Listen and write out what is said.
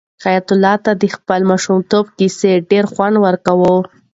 حیات الله ته د خپل ماشومتوب کیسې ډېر خوند ورکوي.